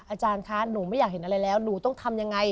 อาจารย์คะหนูไม่อยากเห็นอะไรแล้วหนูต้องทำยังไง